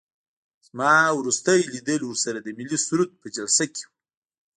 زما وروستی لیدل ورسره د ملي سرود په جلسه کې وو.